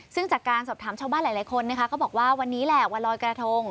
ซึ่งจากการสอบถามชาวบ้านหลายคนนะคะก็บอกว่าวันนี้แหละวันลอยกระทง